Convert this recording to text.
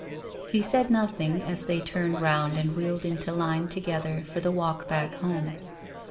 He said nothing as they turned round and wheeled into line together for the walk back home.